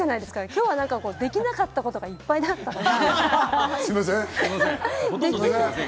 今日はできなかったことがいっぱいだから。